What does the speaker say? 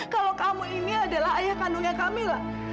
kalau kamu ini adalah ayah kandungnya kamila